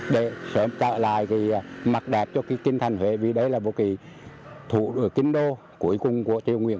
để trả lại mặt đẹp cho kinh thành huế vì đấy là một thủ kinh đô cuối cùng của triều nguyện